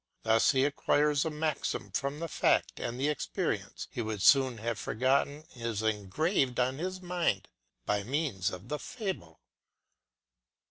Thus he acquires a maxim from the fact, and the experience he would soon have forgotten is engraved on his mind by means of the fable.